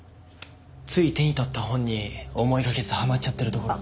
つい手に取った本に思いがけずはまっちゃってるところ。